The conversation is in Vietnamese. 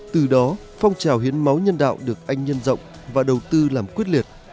từ đó phong trào hiến máu nhân đạo được anh nhân rộng và đầu tư làm quyết liệt